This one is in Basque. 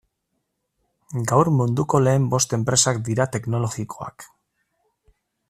Gaur munduko lehen bost enpresak dira teknologikoak.